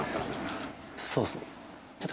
そうですね。